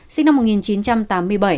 sinh năm một nghìn chín trăm tám mươi bảy